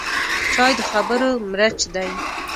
چای د خبرو مرچ دی